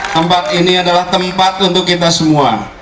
tempat ini adalah tempat untuk kita semua